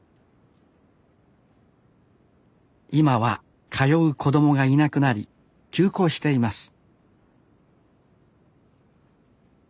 今は通う子どもがいなくなり休校しています